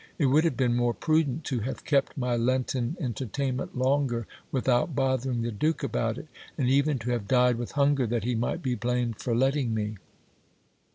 It would have been more prudent to have kept my lenten entertainment longer without bothering the duke about it, and even to have died with hunger, that he might be blamed for letting me.